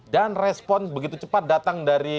dan respon begitu cepat datang dari